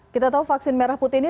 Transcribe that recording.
kita tahu vaksin merah putih ini